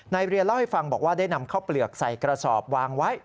เรียนเล่าให้ฟังบอกว่าได้นำข้าวเปลือกใส่กระสอบวางไว้